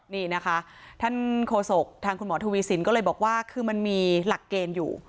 นี่นะคะท่านโฆษกทางคุณหมอทวีสินก็เลยบอกว่าคือมันมีหลักเกณฑ์อยู่